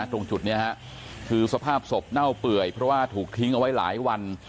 ตรงจุดนี้คือสภาพศพเน่าเปื่อยเพราะว่าถูกทิ้งเอาไว้หลายวัน